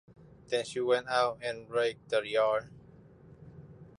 Then she went out and raked the yard.